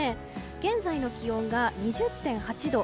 現在の気温が２０．８度。